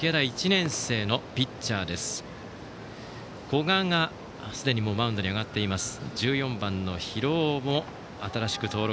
古賀はすでにマウンドに上がっています。